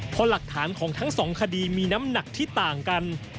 เพราะหลักฐานของทั้งสองคดีมีน้ำหนักที่ต่างกัน